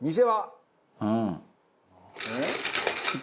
えっ？